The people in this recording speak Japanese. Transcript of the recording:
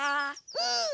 うん！